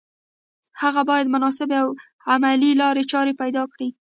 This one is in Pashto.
هغه بايد مناسبې او عملي لارې چارې پيدا کړي.